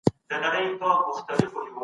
قدم په قدم تلل د لارښود پیروي ده.